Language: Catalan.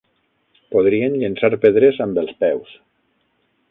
Podrien llençar pedres amb els peus.